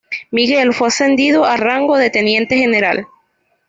Miguel fue ascendido al rango de teniente general.